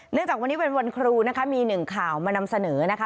จากวันนี้เป็นวันครูนะคะมีหนึ่งข่าวมานำเสนอนะคะ